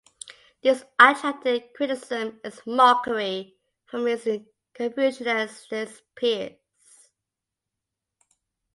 This attracted criticism and mockery from his Confucianist peers.